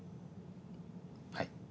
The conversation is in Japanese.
はい。